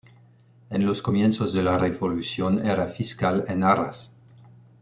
En los comienzos de la revolución era fiscal en Arras.